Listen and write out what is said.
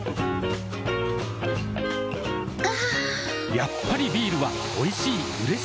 やっぱりビールはおいしい、うれしい。